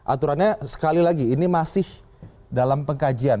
aturannya sekali lagi ini masih dalam pengkajian